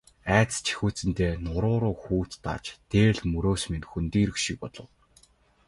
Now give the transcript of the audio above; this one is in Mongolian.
Айдас жихүүдсэндээ нуруу руу хүйт дааж, дээл мөрөөс минь хөндийрөх шиг болов.